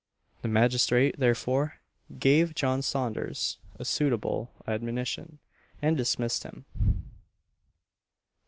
The magistrate, therefore, gave John Saunders a suitable admonition, and dismissed him.